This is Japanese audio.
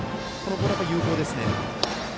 このボールは有効ですね。